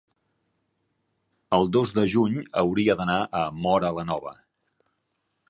el dos de juny hauria d'anar a Móra la Nova.